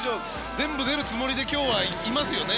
全部出るつもりで今日はいますよね。